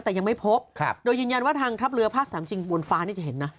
แต่ยังไม่พบโดยยืนยันว่าทางทัพเรือภาคสามจริงบนฟ้านี่จะเห็นนะ